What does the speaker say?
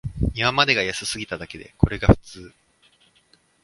今までが安すぎただけで、これが普通